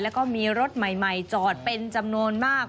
แล้วก็มีรถใหม่จอดเป็นจำนวนมาก